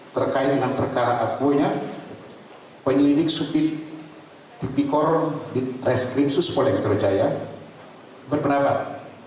terkait dengan perkara akunya penyelidik supit tipikor di reskrimsus polda metro jaya berpendapat